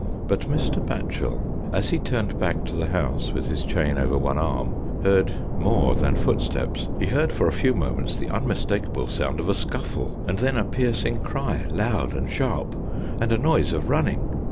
But Mr. Batchel, as he turned back to the house, with his chain over one arm, heard more than footsteps. He heard for a few moments the unmistakable sound of a scufle, and then a piercing cry, loud and sharp, and a noise of running.